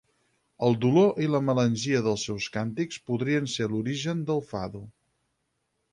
El dolor i la melangia dels seus càntics podrien ser l'origen del Fado.